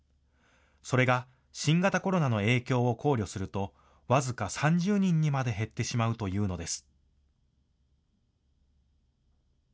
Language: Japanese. それが新型コロナの影響を考慮すると、僅か３０人にまで減ってしまうというのです。